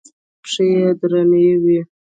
پښې يې درنې وې.